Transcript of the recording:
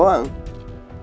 aku mau ke rumah